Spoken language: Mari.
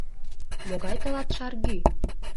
Могай тылат шаргӱ?